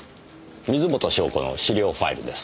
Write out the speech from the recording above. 水元湘子の資料ファイルです。